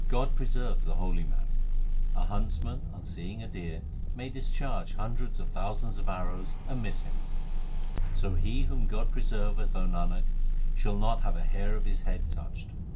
God preserves the holy man. A huntsman on seeing a deer may discharge hundreds of thousands of arrows and miss him ; So he whom God preserveth, O Nanak, shall not have a hair of his head touched.